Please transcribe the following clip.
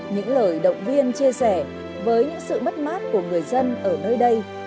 những lời động viên chia sẻ với những sự mất mát của người dân ở nơi đây